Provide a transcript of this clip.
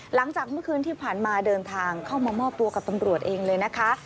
หลังจากเมื่อคืนที่ผ่านมาเดินทางเข้ามามอบตัวกับตำรวจเองเลยนะคะ